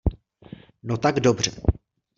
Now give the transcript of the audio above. No tak dobře...